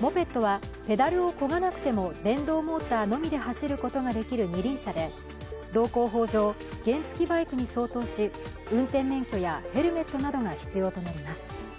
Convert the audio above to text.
モペットはペダルをこがなくても電動モーターのみで走ることができる二輪車で道交法上、原付きバイクに相当し、運転免許やヘルメットが必要となります。